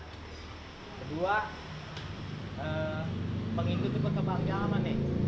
kedua mengikuti pengembang nyaman